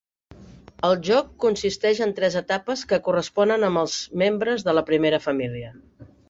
El joc consisteix en tres etapes que corresponen amb els membres de la Primera Família.